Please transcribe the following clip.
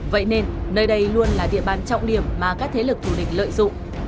vậy nên nơi đây luôn là địa bàn trọng điểm mà các thế lực thù địch lợi dụng